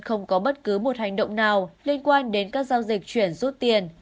không có bất cứ một hành động nào liên quan đến các giao dịch chuyển rút tiền